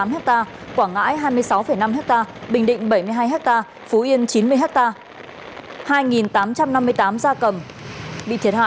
hecta quảng ngãi hai mươi sáu năm ha bình định bảy mươi hai ha phú yên chín mươi ha hai tám trăm năm mươi tám da cầm bị thiệt hại